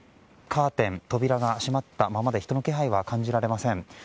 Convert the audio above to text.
カーテン、扉が閉まったままで人の気配は感じられません。